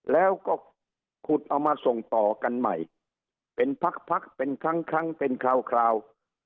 แล้วก็ขุดเอามาส่งต่อกันใหม่เป็นพักพักเป็นครั้งครั้งเป็นคราว